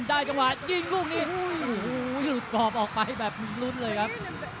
ได้จังหวะจริงลูกนี้หูยหูยหลุดกอบออกไปแบบมีรุ่นเลยครับ